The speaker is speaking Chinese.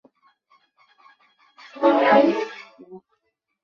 总部位于印度马哈拉施特拉邦孟买。